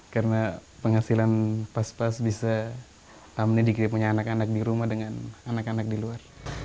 karena penghasilan pas pas bisa amni dikira punya anak anak di rumah dengan anak anak di luar